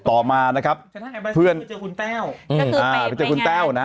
ต่อมานะครับเพื่อนเจอคุณแต้วไปเจอคุณแต้วนะฮะ